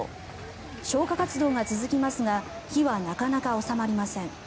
消火活動が続きますが火はなかなか収まりません。